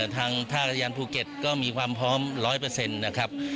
ทางท่าระยานภูเก็ตก็มีความพร้อม๑๐๐นะครับ